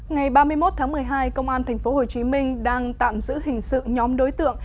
ngày ba mươi một tháng một mươi hai công an tp hcm đang tạm giữ hình sự nhóm đối tượng